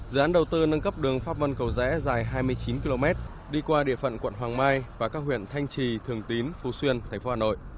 dự án đầu tư nâng cấp đường pháp vân cầu rẽ dài hai mươi chín km đi qua địa phận quận hoàng mai và các huyện thanh trì thường tín phú xuyên thành phố hà nội